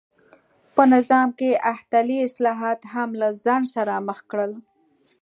په نظام کې احتلي اصلاحات هم له خنډ سره مخ کړل.